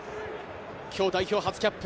今日、代表初キャップ。